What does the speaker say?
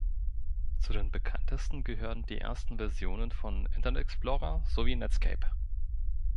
Zu den bekanntesten gehören die ersten Versionen von Internet Explorer sowie Netscape.